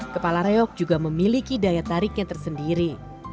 kepala reok juga memiliki daya tariknya tersendiri